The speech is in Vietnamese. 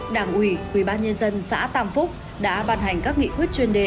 đảng ủy ubnd xã tam phúc đã ban hành các nghị quyết chuyên đề